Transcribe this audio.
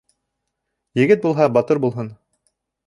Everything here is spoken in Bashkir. Егет булһа, батыр булһын